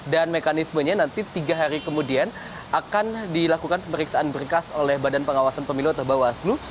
dan mekanismenya nanti tiga hari kemudian akan dilakukan pemeriksaan berkas oleh badan pengawasan pemilu atau bawaslu